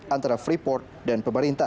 antara freeport dan pemerintah